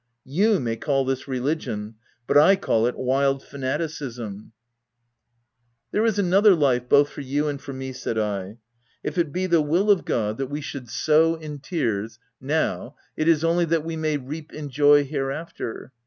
You may call this religion, but /call it wild fanaticism \" cs There is another life both for you and for me," said I. u If it be the will of God that we VOL. II. R 362 THE TENANT should sow in tears, now, it is only that we may reap in joy, hereafter.